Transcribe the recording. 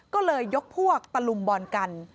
ก็เลยยกพวกตะลุมบอลกัน